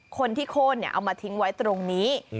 คนที่โค้นเอามาทิ้งไว้ตรงนี้